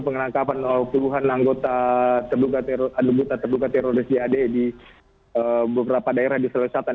penangkapan puluhan anggota terduga teroris jad di beberapa daerah di sulawesi selatan